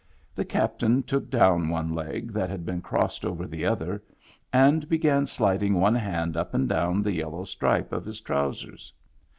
The captain took down one leg that had been crossed over the other, and began sliding one hand up and down the yellow stripe of his trousers.